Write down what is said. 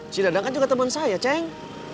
si dadang kan juga temen saya ceng